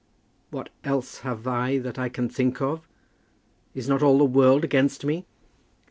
"What else have I that I can think of? Is not all the world against me?"